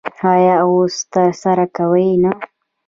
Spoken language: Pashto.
آیا او ترسره کوي یې نه؟